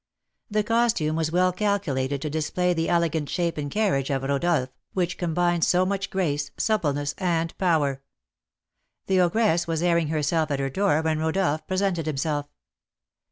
The costume was well calculated to display the elegant shape and carriage of Rodolph, which combined so much grace, suppleness, and power. The ogress was airing herself at her door when Rodolph presented himself.